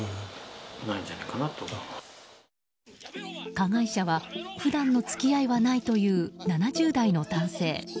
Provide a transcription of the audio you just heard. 加害者は、普段の付き合いはないという７０代の男性。